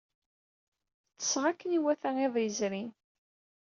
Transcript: Ḍḍseɣ akken iwata iḍ yezrin.